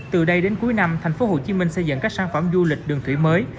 từ đây đến cuối năm thành phố hồ chí minh xây dựng các sản phẩm du lịch đường thủy mới